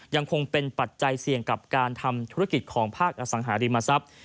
ยังคงเป็นปัจจัยเสี่ยงกับการทำธุรกิจของภาคอสังหาริมทรัพย์